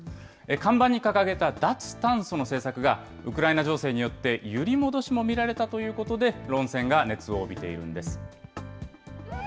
看板に掲げた脱炭素の政策が、ウクライナ情勢によって揺り戻しも見られたということで論戦が熱を帯びているんです。